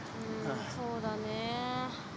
そうだね。